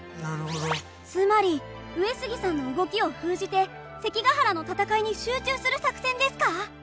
つまり上杉さんの動きを封じて関ヶ原の戦いに集中する作戦ですか？